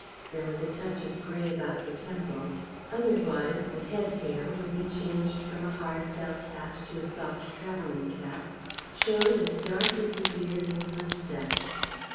There was a touch of grey about the temples, otherwise the head hair, when he changed from a hard felt hat to a soft travelling cap, showed as dark as the beard and moustache.